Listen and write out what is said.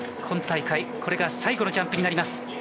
今大会これが最後のジャンプになります。